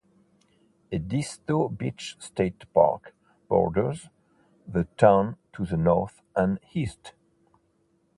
Edisto Beach State Park borders the town to the north and east.